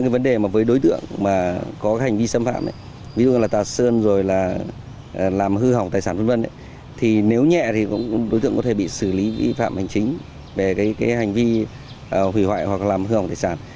vấn đề với đối tượng có hành vi xâm phạm ví dụ là tà sơn làm hư hỏng tài sản nếu nhẹ thì đối tượng có thể bị xử lý vi phạm hành chính về hành vi hủy hoại hoặc làm hư hỏng tài sản